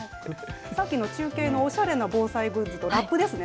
さっきの中継のおしゃれな防災グッズと、ラップですね。